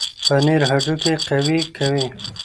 پنیر هډوکي قوي کوي.